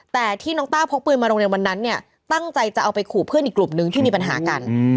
แต่ที่น้องต้าพกปืนมาโรงเรียนวันนั้นเนี่ยตั้งใจจะเอาไปขู่เพื่อนอีกกลุ่มนึงที่มีปัญหากัน